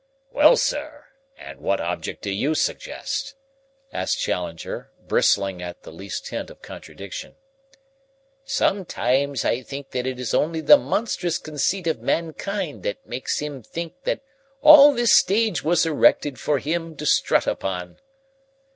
"Well, sir, and what object do you suggest?" asked Challenger, bristling at the least hint of contradiction. "Sometimes I think that it is only the monstrous conceit of mankind which makes him think that all this stage was erected for him to strut upon."